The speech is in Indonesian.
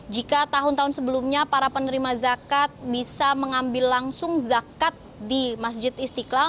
jika tahun tahun sebelumnya para penerima zakat bisa mengambil langsung zakat di masjid istiqlal